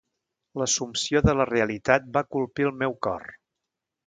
L'assumpció de la realitat va colpir el meu cor.